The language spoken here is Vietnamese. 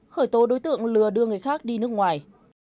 khởi tố đối tượng lừa đưa người khác đi nước ngoài